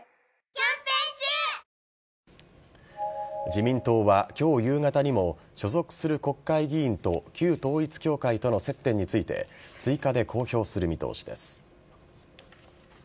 自民党は今日夕方にも所属する国会議員と旧統一教会との接点について追加で公表する見通しです。